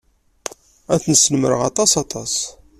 Ad ten-snemmreɣ aṭas aṭas.